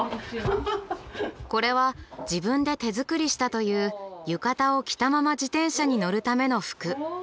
これは自分で手作りしたという浴衣を着たまま自転車に乗るための服。